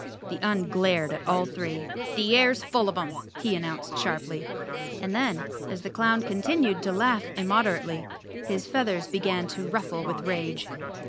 The Un glared at all three. "The air's full of 'em," he announced sharply, and then, as the clown continued to laugh immoderately, his feathers began to ruffle with rage.